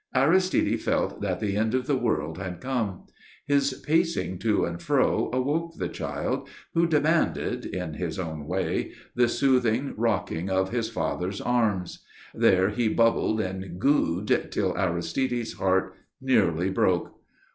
Aristide felt that the end of the world had come. His pacing to and fro awoke the child, who demanded, in his own way, the soothing rocking of his father's arms. There he bubbled and "goo'd" till Aristide's heart nearly broke.